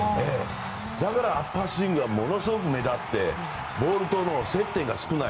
だから、アッパースイングがものすごい目立ってボールとの接点が少ない。